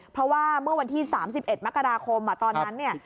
เพราะว่าเมื่อวันที่สามสิบเอ็ดมกราคมอ่ะตอนนั้นเนี่ย